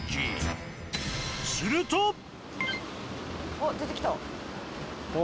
あっ出てきた。